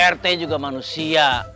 rt juga manusia